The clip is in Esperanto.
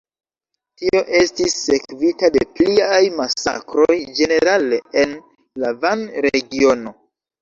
Tio estis sekvita de pliaj masakroj ĝenerale en la Van-regiono.